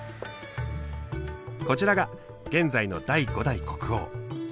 こちらが現在の第５代国王。